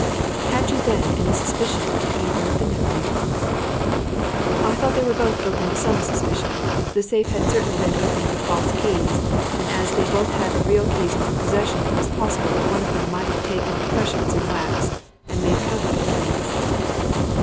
'" "Had you then any suspicion of either of the nephews?" "I thought they were both open to some suspicion. The safe had certainly been opened with false keys, and as they had both had the real keys in their possession it was possible that one of them might have taken impressions in wax and made counterfeit keys."